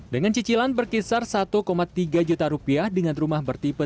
dengan cicilan berkisar satu tiga juta rupiah dengan rumah bertipe tiga puluh enam